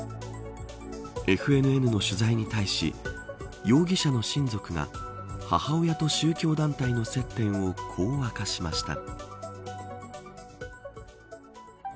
ＦＮＮの取材に対し容疑者の親族が母親と宗教団体の接点をこう明かしました。